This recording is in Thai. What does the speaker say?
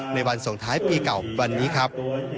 ในวันส่งท้ายปีเก่าวันนี้ครับ